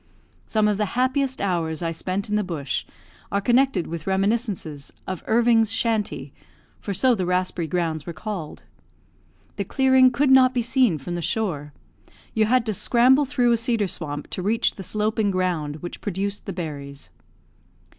Some of the happiest hours I spent in the bush are connected with reminiscences of "Irving's shanty," for so the raspberry grounds were called. The clearing could not be seen from the shore. You had to scramble through a cedar swamp to reach the sloping ground which produced the berries.